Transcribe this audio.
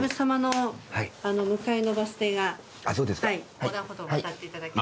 横断歩道渡っていただいて。